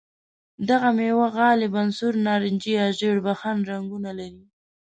دغه مېوه غالباً سور، نارنجي یا ژېړ بخن رنګونه لري.